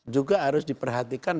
juga harus diperhatikan